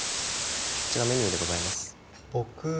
こちらメニューでございます